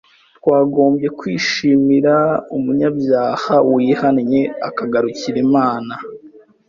twagombye kwishimira umunyabyaha wihannye akagarukira Imana.